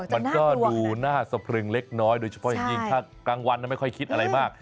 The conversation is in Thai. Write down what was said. มันก็ดูน่าสะพรึงเล็กน้อยโดยเฉพาะอย่างยิ่งถ้ากลางวันไม่ค่อยคิดอะไรมาก